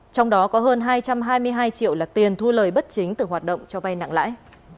trong đó có hơn hai trăm hai mươi hai triệu là tiền thu lời bất chính từ hoạt động cho vay nặng lãi